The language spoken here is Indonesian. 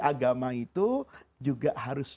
agama itu juga harus